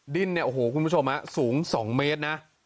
ดิ้นเนี่ยโอ้โหคุณผู้ชมสูง๒เมตรนะ